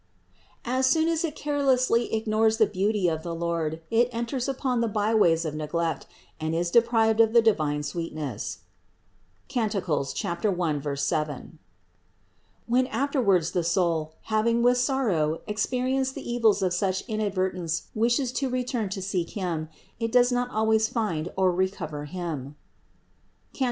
As soon as it carelessly ignores the beauty of the Lord, it enters upon the byways of neglect and is de prived of the divine sweetness (Cant. 1, 7). When after wards the soul, having with sorrow experienced the evils of such inadvertence wishes to return to seek Him, it does not always find or recover Him (Cant.